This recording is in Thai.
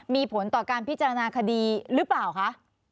มีผลต่อการพิจารณาคดีหรือเปล่าคะ